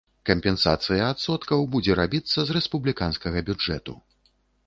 Кампенсацыя адсоткаў будзе рабіцца з рэспубліканскага бюджэту.